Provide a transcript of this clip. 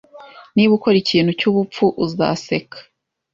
Niba ukora ikintu cyubupfu, uzaseka.